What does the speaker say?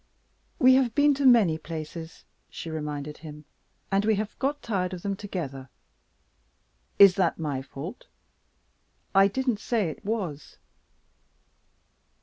"We have been to many places," she reminded him, "and we have got tired of them together." "Is that my fault?" "I didn't say it was."